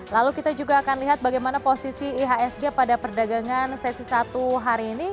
lalu kita juga akan lihat bagaimana posisi ihsg pada perdagangan sesi satu hari ini